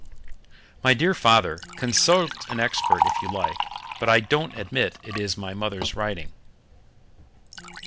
"My dear father, consult an expert if you like, but I don't admit it is my mother's writing."